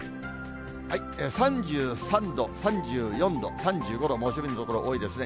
３３度、３４度、３５度、猛暑日の所多いですね。